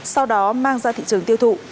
sau đó mang ra thị trường tiêu thụ